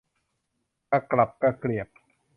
กระกรับกระเกรียบ